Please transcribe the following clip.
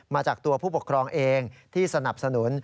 มาจากตัวผู้ปกครองเองที่สนับสนุน